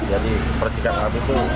jadi percikan api itu